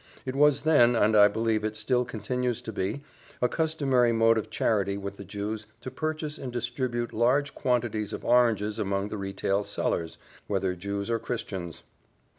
It was then, and I believe it still continues to be, a customary mode of charity with the Jews to purchase and distribute large quantities of oranges among the retail sellers, whether Jews or Christians.